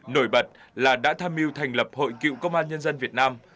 nổi bật là đã tham mưu thành lập hội cựu công an nhân dân việt nam